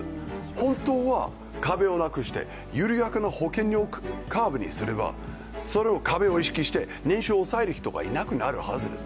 本当は壁をなくして緩やかな保険料カーブにすれば、それを壁を意識して年収を抑える人がいなくなるはずです。